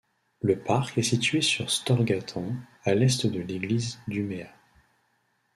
Le parc est situé sur Storgatan, à l'est de l'église d'Umeå.